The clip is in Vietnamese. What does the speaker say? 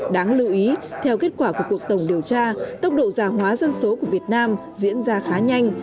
đáng lưu ý theo kết quả của cuộc tổng điều tra tốc độ giả hóa dân số của việt nam diễn ra khá nhanh